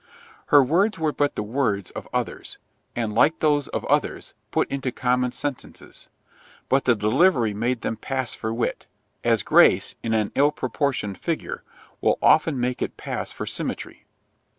Her words were but the words of others, and, like those of others, put into common sentences; but the delivery made them pass for wit, as grace in an ill proportioned figure will often make it pass for symmetry.